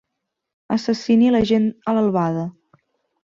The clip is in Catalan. Assassini la gent a l'albada.